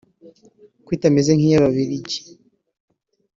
ko itameze nk’iy’ababiligi